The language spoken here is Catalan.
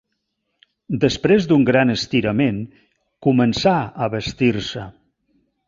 Després d'un gran estirament, començà a vestir-se.